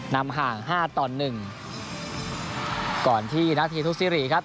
นำห่างห้าตอนหนึ่งก่อนที่นาทีทุกซิริครับ